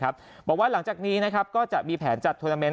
บอกว่าหลังจากนี้ก็จะมีแผนจัดทวนิเมนต์